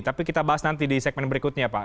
tapi kita bahas nanti di segmen berikutnya pak